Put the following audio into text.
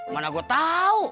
mana gue tahu